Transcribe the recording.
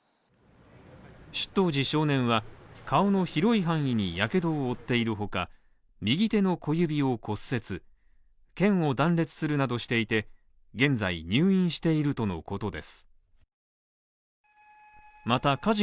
出火当時少年は、顔の広い範囲にやけどを負っているほか、右手の小指を骨折、けんを断裂するなどしていて、現在入院しているとのことです。